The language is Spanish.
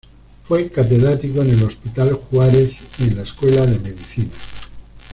Fue catedrático en el Hospital Juárez y en la Escuela de Medicina.